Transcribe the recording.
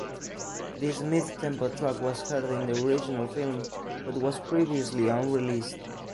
This mid-tempo track was heard in the original film, but was previously unreleased.